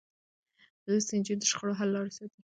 لوستې نجونې د شخړو حل لارې ساتي.